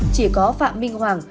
chỉ có phạm minh hoàng